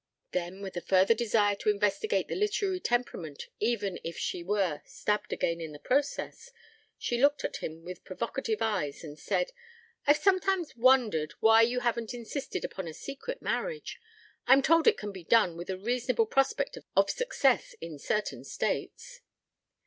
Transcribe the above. Then, with a further desire to investigate the literary temperament, even if she were stabbed again in the process, she looked at him with provocative eyes and said: "I've sometimes wondered why you haven't insisted upon a secret marriage. I'm told it can be done with a reasonable prospect of success in certain states."